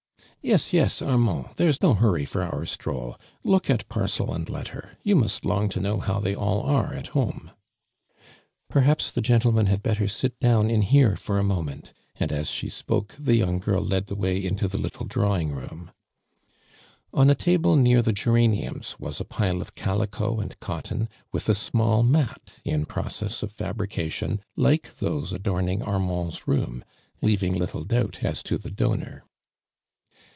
" Y'es, yes, Armand. There is no hui ry for our stroll. Look at parcel and lett.r. You must long to know how they all are at home." " Perhaps the gentleman had better sit <lovvn in here for a moment," and as she spoke, the j'oung girl led the way into the little drawing room On a table near the geraniums, was a |)ile of calico and cotton, with a small mat in process of fabrication, like those adorning Armand' s room, leaving little doubt as to the donor.